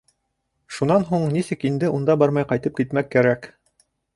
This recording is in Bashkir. Шунан һуң нисек инде унда бармай ҡайтып китмәк кәрәк?!